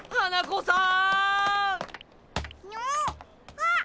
あっ！